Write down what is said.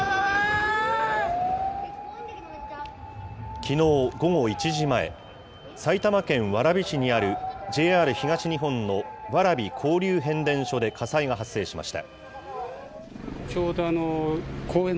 きのう午後１時前、埼玉県蕨市にあるＪＲ東日本の蕨交流変電所で火災が発生しました。